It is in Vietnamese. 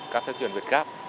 cam thất truyền việt gáp